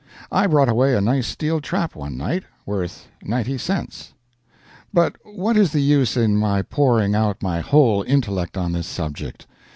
I brought away a nice steel trap one night, worth ninety cents. But what is the use in my pouring out my whole intellect on this subject?